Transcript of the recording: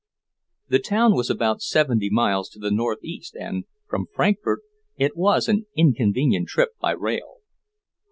The town was about seventy miles to the northeast and, from Frankfort, it was an inconvenient trip by rail.